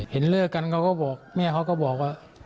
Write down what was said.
เห็นเลือกกันแน่และแม่ขอเองก็พูดว่า